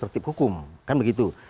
tertip hukum kan begitu